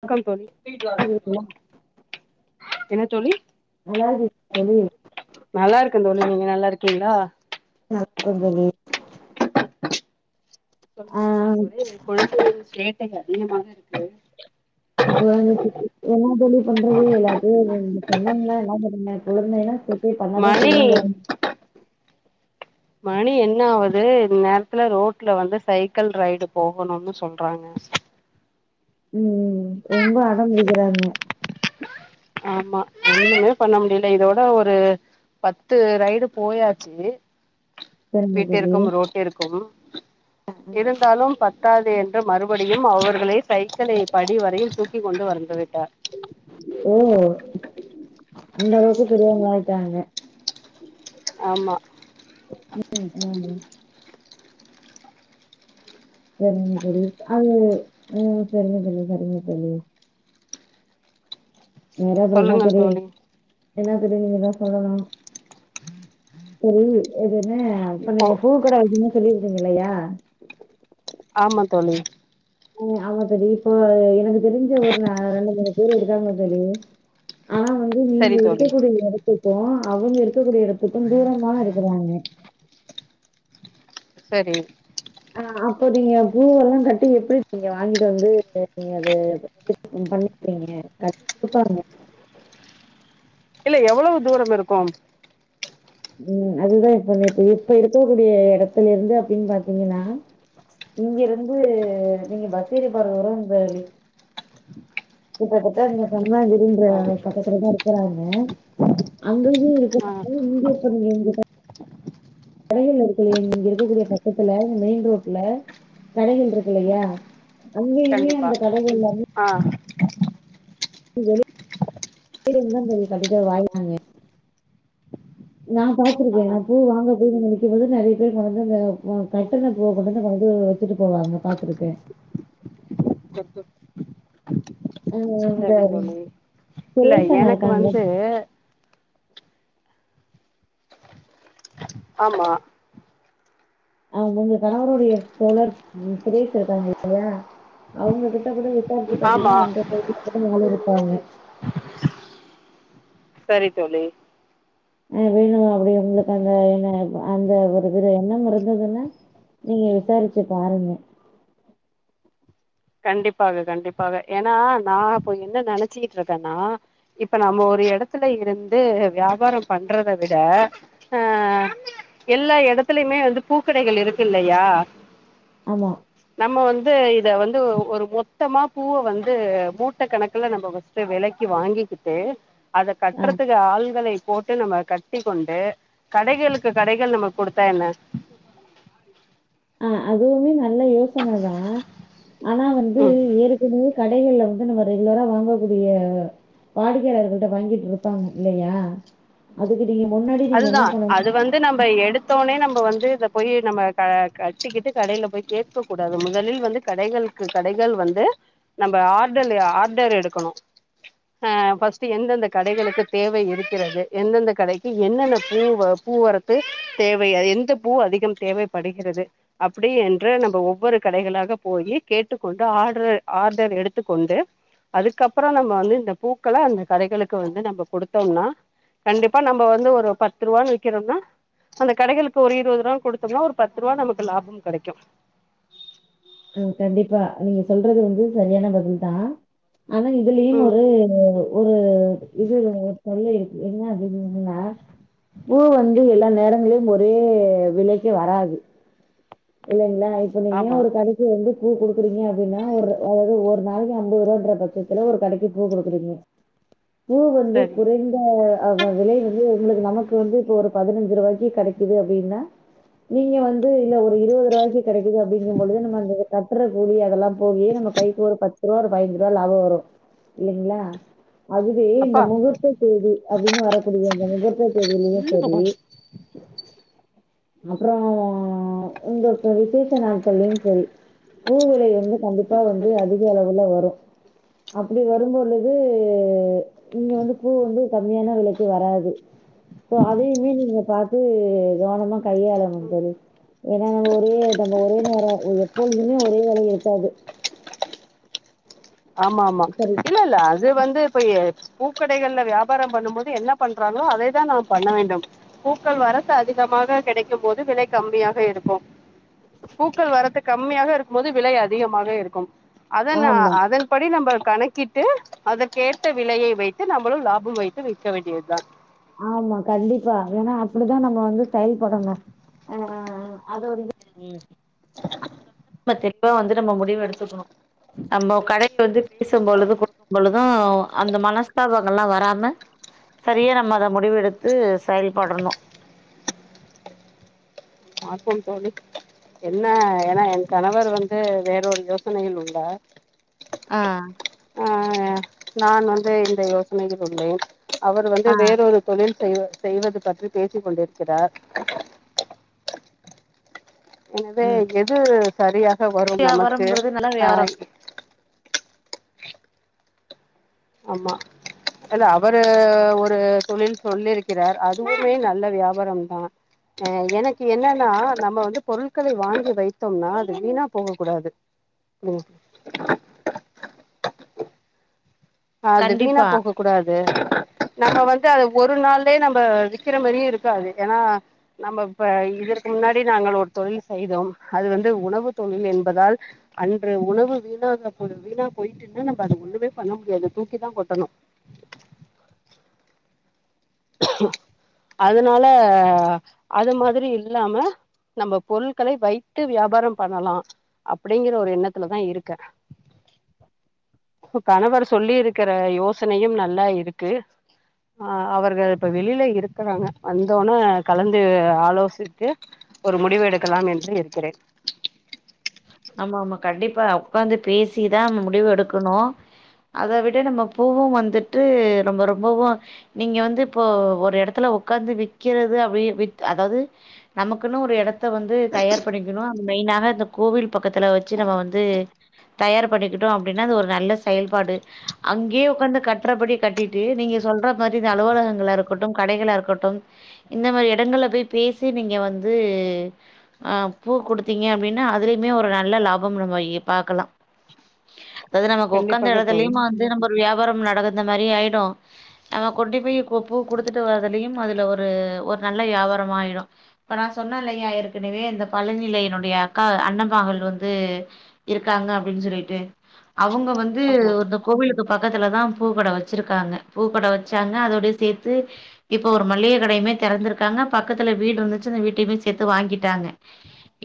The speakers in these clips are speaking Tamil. வெல்கம் தோழி என்ன அழாதிங்க தோழி நல்லாருக்கே தோழி நீங்க நல்லா இருக்கீங்களா நல்லாருக்க தோழி தோழி ஆ இங்க ஒரே குழந்தைக சேட்டைகள் அதிகமாக இருக்கு இப்ப வந்து [inaudible] என்னா தோழி பண்றது எல்லாத்தையு சொன்னாங்களா என்ன பண்றது பொறுமைலா சே இப்பயே பண்ணாதா மணி செய்யுங்கிறாங்க மணி என்ன ஆவுது இந்நேரத்துல ரோட்ல வந்து சைக்கிள் ரைடு போகணும்னு சொல்றாங்க ம் ரொம்ப அடம்புடிக்கிறாங்க ஆமா ஒன்னுமே பண்ண முடியல இதோட ஒரு பத்து ரைடு போயாச்சு சரிங்க தோழி வீட்டிற்கும் ரோட்டிர்க்கும் இருந்தாலும் பத்தாது என்று மறுபடியும் அவர்களை சைக்கிளை படி வரையில் தூக்கிக் கொண்டு வந்துவிட்டார் ஓ அந்தளவுக்கு பெரியவங்காளாயிட்டாங்க ஆமா ம் ம் சரிங்க தோழி அது ஆ சரிங்க தோழி சரிங்க தோழி வேற அப்ற என்ன தோழி என்ன தோழி நீங்க தா சொல்லணு சரி இது என்ன அப்ப இப்போ நீங்க பூ கட வச்சிருந்தீங்கன் சொல்லிருந்தீங்க இல்லையா ஆமா தோழி ம் ஆமா தோழி இப்போ எனக்கு தெரிஞ்ச ஒரு நா ரெண்டு மூணு பேர் இருக்காங்க தோழி ஆனா வந்து நீங்க சரி தோழி இருக்கக்கூடிய எடத்துக்கும் அவங்க இருக்கக்கூடிய எடத்துக்கும் துரமா இருக்குறாங்க சரி ஆ அப்போ நீங்க பூவெல்லா கட்டி எப்டி நீங்க வாங்கிட்டு வந்து நீங்க அத பண்ணிக்கிறீங்க கட்டி குடுப்பாங்க இல்ல எவ்வளவு தூரம் இருக்கும் ம் அதுதா இப்ப இப்ப இப்ப இருக்கக்கூடிய இடத்துல இருந்து அப்டின்னு பாத்தீங்கன்னா இங்க இருந்து நீங்க பஸ் ஏறி போறது வர இந்த கிட்டதட்ட இந்த பங்கா வீடு ம் அதுக்கு பக்கத்துலதா இருக்குறாங்க அங்கயே ஆ இருக்கறனால இங்க இப்ப நீங்க எங்க கடைகள் இருக்கு இல்லையா இங்க இருக்கக்கூடிய பக்கத்துல மெயின் ரோட்ல கடைகள் இருக்கு இல்லையா அங்கயுமே கண்டிப்பா அந்த கடைகள் எல்லாமே ஆ [inaudible] தோழி கண்டிப்பா வாழ்வாங்க நா ஆ பாத்துருக்கே நா பூ வாங்க போகும் பொழுது நெறைய பேர் கொழந்த அந்த கட்டுன பூவ கொண்டுந்து கொழந்தக வித்துட்டு போவாங்க பாத்துருக்கே தப் தப் அ இந்த சரி தோழி இல்ல சுரேஷ் அண்ணா எனக்கு இருக்காங்கல்ல வந்து ஆமா ஆ உங்க கணவருடைய தோழர் சுரேஷ் இருக்காங்க இல்லையா அவங்க கிட்ட கூட தோழருக்கு ஆமா பாத்தீங்கன்னா அந்த வயதுல தா அவுங்களு இருப்பாங்க சரி தோழி அது வேணுமா அப்டி உங்களுக்கு அந்த என்ன அந்த ஒரு எண்ணம் இருந்ததுன்னா நீங்க விசாரிச்சி பாருங்க கண்டிப்பாக கண்டிப்பாக ஏன்னா நா இப்ப என்ன நெனைச்சிக்கிட்டு இருக்கேன்னா இப்ப நம்ம ஒரு எடத்துல இருந்து வியாபாரம் பண்றத விட ஆ எல்லா இடத்துலயுமே வந்து பூக்கடைகள் இருக்கு இல்லையா ஆமா நம்ம வந்து இத வந் து ஒரு மொத்தமா பூவ வந்து மூட்டை கணக்குல நம்ம ஃபர்ஸ்ட் வெலக்கி வாங்கிக்கிட்டு அத ஆ. கட்டுறதுக்கு ஆள்களை போட்டு நம்ம கட்டிக் கொண்டு கடைகளுக்கு கடைகள் நம்ம குடுத்தா என்ன ஆ அதுவுமே நல்ல யோசனை தா ஆனா வந்து ம் ஏற்கனவே கடைகள்ல வந்து நம்ம ரெகுலரா வாங்கக்கூடிய வாடிக்கையாளர்கிட்ட வாங்கிட்டு இருப்பாங்க இல்லையா அதுக்கு நீங்க முன்னாடி நீங்க என்ன அதுதா பண்ணனு அது வந்து நம்ம எடுத்த ஒன்னே நம்ம வந்து இத போய் நம்ம கட்டிக்கிட்டு கடேல போய் கேக்க கூடாது முதலில் வந்து கடைகளுக்கு கடைகள் வந்து நம்ம ஆர்டல் ஆர்டர் எடுக்கணு ஆ ஃபர்ஸ்ட் எந்தெந்த கடைகளுக்கு தேவை இருக்கிறது எந்தெந்த கடைக் கி என்னென்ன பூ பூவரத்து தேவை எந்த பூ அதிகம் தேவைப்படுகிறது அப்டி என்று நம்ம ஒவ்வொரு கடைகளாக போயி கேட்டுக்கொண்டு ஆடர் ஆர்டர் எடுத்துக்கொண்டு அதுக்கப்றோ நம்ம வந்து இந்த பூக்களை அந்த கடைகளுக்கு வந்து நம்ம குடுத்தோம்னா கண்டிப்பா நம் ம வந்து ஒரு பத்து ரூவான்னு விக்கிறோன்னா அந்த கடைகளுக்கு ஒரு இருபது ரூபான்னு குடுத்தோம்னா ஒரு பத்துருபா நமக்கு லாபம் கெடைக்கு ம் கண்டிப்பா நீங்க சொல்றது வந்து சரியான பதில் தா ஆனா இதுலயு ம் ஒரு ஒரு இது தொல்ல இருக்கு என்ன அப்டின்னீங்கன்னா பூ வந்து எல்லா நேரங்களிலு ஒரே விலைக்கு வராது இல்லைங்களா இப்ப நீங்களே ஆமா ஒரு கடைக்கி பூ வந்து பூ குடுக்குறீங்க அப்டின்னா ஒரு அதாவது ஒரு நாளைக்கு அம்பது ரூவான்ற பட்சத்துல ஒரு கடைக்கு பூ குடுக்குறீங்க பூ வந்து சரி குறைந் அது அந்த விலை வந்து உங்களுக்கு நமக்கு வந்து இப்ப ஒரு பதினஞ்சு ரூபாய்க்கு கெடைக்குது அப்டின்னா நீங்க வந்து இல்ல ஒரு இருபது ரூவாய்க்கு கெடைக்குது அப்படிங்கும்பொழுது நம்ம அந்த கட்டுற கூலி அதெல்லா போயி நம்ம கைக்கு ஒரு பத் து ரூவா ஒரு பயிஞ்சு ரூவா லாப வரு இல்லைங்களா அதுவே இந்த அப்பா முகூர்த்த தேதி அப்டின்னு வரக்கூடிய இந்த முகூர்த்த தேதியிலயு செரி அப்றோ இந்த இப்ப விசேஷ நாட்களயு செரி பூ விலை வந்து கண்டிப்பா வந்து அதி க அளவுல வரு அப்டி வரு பொழுது இங்க வந்து பூ வந்து கம்மியான வெலை க்கு வராது சோ அதையுமே நீங்க பாத்து கவனமா கையாளணு தோழி ஏனா நம்ம ஒரே டைம்ல ஒரே நேரோ எப்பொழுதுமே ஒரே வெலய இருக்காது ஆமா ஆமா சரி இல்ல இல்ல அது வந்து இப்பயே பூக்கடைகள வியாபார பண்ணு போது என்ன பண்றாங்களோ அதைதா நா பண்ண வேண்டும் பூக்கள் வரத்து அதிகமாக கெடைக்கு போது விலை கம்மியாக இருக்கு பூக்கள் வரத்து கம்மியாக இருக்கு போது விலை அதிகமாக இருக்கும் அதன் ஆ ஆமா, அதன் படி நம்ப கணக்கிட்டு அதற்கேத்த விலையை வைத்து நம்மளு லாபம் வைத்து விற்க வேண்டியதுதா ஆமா கண்டிப்பா ஏனா அப்டிதான் நம்ம வந்து செயல்படணு ஆ அது ஒரு இது த தெளிவா வந்து நம்ம முடிவு எடுத்துக்கணு நம்மோ கடை வந்து பேசு பொழுது குடுக்கு பொழுது து அந்த மனஸ்தாபங்கள் ல்லா வராம சரியா நம் நம் அத முடிவெடுத்து செயல்படணு ஆ ட்டு தோழி என்ன ஏனா என் கணவர் வந்து வேறொரு யோசனையில் உள்ளார் ஆ ஆ நான் வந்து இந்த யோசனையில் உள்ளேன் அவர் வந்து ஆ, வேறொரு தொழில் செய்வ செய்வது பற்றி பேசி கொண்டிருக்கிறார் எனவே ம். எது சரியாக வரும் நமக்கு வியாபாரம்ங்கிறது நல்ல அ வியாபாரம். ஆமா அல்ல அவரு ஒரு தொழில் சொல்லிருக்கிறார் அதுவுமே நல்ல வியாபாரம் தா அ எனக்கு என்னன்னா நம்ம வந்து பொருட்கள வாங்கி வைத்தோம்னா அது வீணா போக கூடாது ம் ஆ அது வீணா கண்டிப்பா. போக கூடாது நம்ம வந்து அத ஒரு நாள்லயே நம்ப விக்கிற மாரியே இருக்காது ஏனா நம்ம இப்ப இதற்கு முன்னாடி நாங்கள் ஒரு தொழில் செய்தோம் அது வந்து உணவு தொழில் என்பதால் அன்று உணவு வீணாகற பொழுது வீணா போயிட்டுன்னா நம்ம அத ஒண்ணுமே பண்ண முடியாது தூக்கி தா கொட்டணு அதனால அது மாதிரி இல்லாம நம்ம பொருட்களை வைத்து வியாபார பண்ணலா அப்டிங்கற ஒரு எண்ணத்துலதா இருக்கே இப்ப கணவர் சொல்லி இருக்கிற யோசனையு நல்லா இருக்கு ஆ அவர்கள் இப்ப வெளில இருக்குறாங்க வந்தோன கலந்து ஆலோசித்து ஒரு முடிவு எடுக்கலாம் என்று இருக்கிறே ஆமா ஆமா கண்டிப்பா உக்காந்து பேசிதா நம்ம முடிவு எடுக்கணு அத விட நம்ம பூவு வந்துட்டு ரொம்ப ரொம்பவு நீங்க வந்து இப்போ ஒரு எடத்துல உக்காந்து விக்கிறது அப்டி வித் அதாவ்து நமக்குன்னு ஒரு எடத்த வந்து தயார் பண்ணிக்குணு அது மெயின்னான அந்த கோவில் பக்கத்துல வச்சு நம்ம வந்து தயார் பண்ணிக்கிட்டோ அப்டின்னா அது ஒரு நல்ல செயல்பாடு அங்யே உக்காந்து கட்றபடி கட்டிட்டு நீங்க சொல்ற மாரி இந்த அலுவலகங்களா இருக்கட்டு கடைகளா இருக்கட்டு இந்த மாரி எடங்கள்ல போய் பேசி நீங்க வந்து ஆ பூ குடுத்தீங்க அப்டினா அதுல் மே ஒரு நல்ல லாபோம் நம்மயி பாக்கலா அதாவ்து நமக்கு உக்காந்த கண்டிப்பாக தோழி எடத்துலுயு வந்து நம்ம வியாபாரோம் நடந்த மாரி ஆய்டு நம்ம கொண்டு போய் கு பூ குடுத்துட்டு வரலியும் அதுல ஒரு ஒரு நல்ல வியாபாரம் ஆய்டு இப்ப நா சொன்ன இல்லையா ஏற்கனவே இந்த பழனில என்னுடைய அக்கா அண்ண மகள் வந்து இருக்காங்க அப்டின் சொல்லிட்டு அவுங்க வந்து ஆமா இந்த கோவிலுக்கு பக்கத்துலதா பூக்கட வச்சிருக்காங்க பூக்கட வச்சாங்க அதோட சேத்து இப்போ ஒரு மளிக கடையுமே தெறந்திருக்காங்க பக்கத்துல வீடு இருந்துச்சு அந்த வீட்டையுமே சேத்து வாங்கிட்டாங்க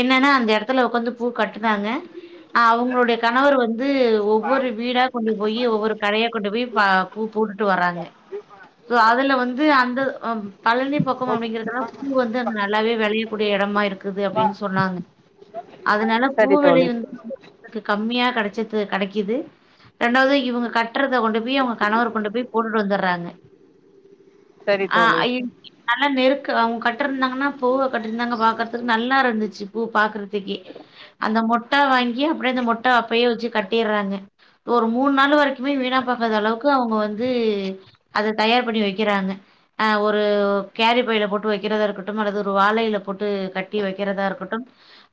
என்னனா அந்த எடத்துல உக்காந்து பூ கட்டுனாங்க அவுங்களுடைய கணவர் வந்து ஒவ்வொரு வீடா கொண்டு போயி ஒவ்வொரு கடையா கொண்டு போய் பா பூ போட்டுட்டு வராங்க சோ அதுல வந்து அந்த அ பழனி பக்கம் அப்டிங்கறதலா பூ வந்து அங்க நல்லாவே வெளைய கூடிய எடமா இருக்குது அப்டின் சொன்னாங்க அதுனால பூ சரி தோழி வெலையு வந்து கம்மியா கெடைச்சுட்ரு கடைக்குது ரெண்டாவ்து இவுங்க கட்றத கொண்டு போய் அவ்ங்க கணவர் கொண்டு போய் போட்டுட்டு வந்துர்றாங்க சரி ஆ தோழி என்க்கி நல்லா நெருக்கு அவ்ங்க கட்ருந்தாங்கனா பூவ கட்டிருந்தாங்க பாக்கறதுக்கு நல்லா இருந்துச்சு பூ பாக்கறதுக்கே அந்த மொட்டா வாங்கி அப்டியே அந்த மொட்ட அப்டியே வச்சு கட்டிறாங்க ஒரு மூணு நாள் வரைக்குமே வீணா போகாத அளவுக்கு அவுங்க வந்து அத தயார் பண்ணி வைக்கிறாங்க ஆ ஒரு கேரி பைல போட்டு வைக்கிறதா இருக்கட்டும் அல்லது ஒரு வாழைல போட்டு கட்டி வைக்கிறதா இருக்கட்டு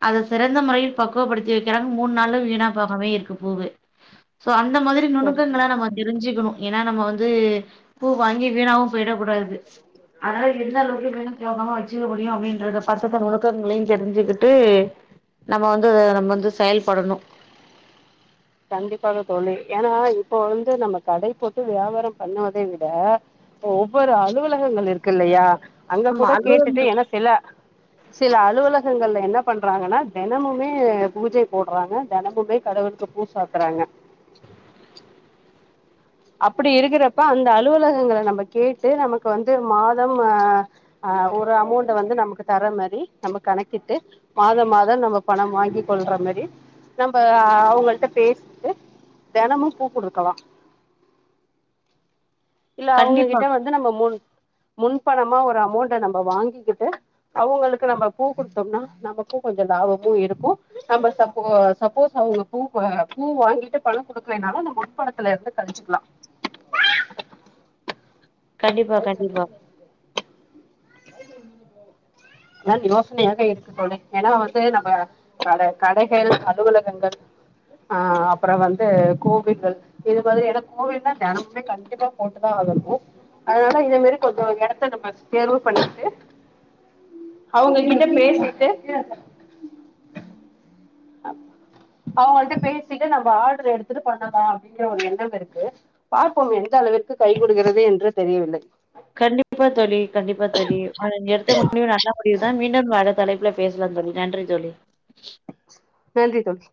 அத சிறந்த முறையில் பக்குவப்படுத்தி வைக்கிறாங்க மூணு நாளு வீணா போகாம்லே இருக்கு பூவு சோ அந்த மாதிரி சரி நுனுக்கங்ள தோழி நம்ம தெரிஞ்சுக்குணு ஏனா நம்ம வந்து பூ வாங்கி வீணாவு போய்ட கூடாது அதுனால எந்த அளவுக்கு வீன்போகாம வச்சுக்க முடியு அப்டின்றத பக்குவத்த நுனுக்கங்களையு தெரிஞ்சுக்கிட்டு நம்ம வந்து அத நம் வந்து செயல்படணு கண்டிப்பாக தோழி ஏனா இப்போ வந்து நம்ம கடை போட்டு வியாபாரோ பண்ணுவதை விட ஒவ்வொரு அலுவலகங்கள் இருக்கு இல்லயா அங்க ஆமா கூட அது கேட்டுட்டு ஏனா சில சில அலுவலகங்கள்ல என்ன பண்றாங்கனா தெனமுமே பூஜை போட்றாங்க தெனமுமே கடவுளுக்கு பூச தராங்க அப்புடி இருக்குறப்ப அந்த அலுவலகங்கள நம்ம கேட்டு நமக்கு வந்து மாதம் அ அ ஒரு அமோண்ட்ட வந்து நமக்கு தர மாரி நம்ம கணக்கிட்டு மாதோ மாதோ நம்ம பணம் வாங்கிக்கொள்ற மாதிரி நம்ப அவுங்கள்ட்ட பேசிட்டு தெனமு பூ குடுக்கலா இல்ல கண்டிப்பா அவுங்ககிட்ட வந்து நம்ம முன் முன்பணமா ஒரு அமோண்ட்ட நம்ம வாங்கிக்கிட்டு அவுங்களுக்கு நம்ம பூ குடுத்தோம்னா நமக்கு கொஞ்சோ லாபமு இருக்கு நம்ம சப்போ சப்போஸ் அவ்ங்க பூ க பூ வாங்கிட்டு பணோ குடுக்குலேனாலு அந்த முன் பணத்துல இருந்து கழிச்சுக்குலா கண்டிப்பா கண்டிப்பா [unintelligible] னால் யோசனையாக இருக்கு தோழி ஏன்னா வந்து நம்ப கட கடைகள் அலுவலகங்கள் அ அப்பறம் வந்து கோவில்கள் இது மாதிரி என்னா கோவில்னா தனமே கண்டிப்பா போட்டுதா ஆகணு அதனால இதே மாரி கொஞ்சோ எடத்த நம்ம பேரு பண்ணிட்டு அவங்க கிட்ட பேசிட்டு அவங்கல்ட பேசிட்டு நம்ப ஆர்டர் எடுத்துட்டு பண்ணலா அப்படிங்கற ஒரு எண்ணம் இருக்கு பாப்போம் எந்த அளவிற்கு கை கொடுகிறது என்று தெரியவில்லை கண்டிப்பா தோழி கண்டிப்பா தோழி ஆனா நீ எடுத்த முவு நல்லா முடிவுதான் மீண்டும் வேற தலைப்புல பேஸ்லா தோழி நன்றி தோழி நன்றி தோழி